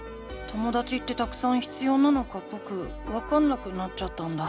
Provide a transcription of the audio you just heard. ともだちってたくさん必要なのかぼくわかんなくなっちゃったんだ。